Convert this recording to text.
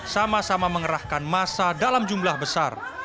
sama sama mengerahkan massa dalam jumlah besar